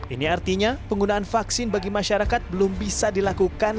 ini artinya penggunaan vaksin bagi masyarakat belum bisa dilakukan